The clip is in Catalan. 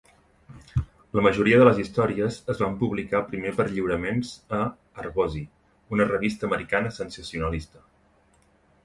La majoria de les històries es van publicar primer per lliuraments a "Argosy", una revista americana sensacionalista.